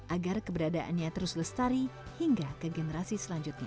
agar keberadaannya terus lestari hingga ke generasi selanjutnya